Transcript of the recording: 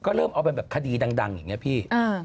ก็เริ่มเอาเป็นแบบคดีดังอย่างนี้พี่